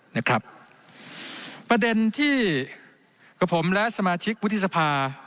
นะครับประเด็นที่กับผมและสมาชิกวุฒิสภา